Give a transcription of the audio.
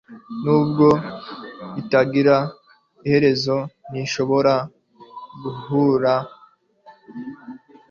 nubwo itagira iherezo, ntishobora guhura